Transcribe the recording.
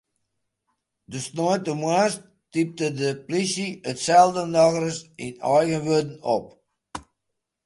De sneintemoarns typte de plysje itselde nochris yn eigen wurden op.